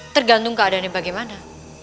tergantung keadaannya bagaimana